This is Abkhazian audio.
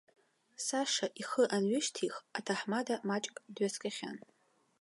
Саша ихы анҩышьҭих, аҭаҳмада маҷк дҩаскьахьан.